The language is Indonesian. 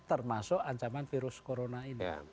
termasuk ancaman virus corona ini